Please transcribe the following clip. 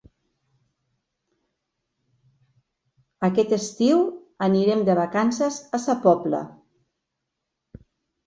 Aquest estiu anirem de vacances a Sa Pobla.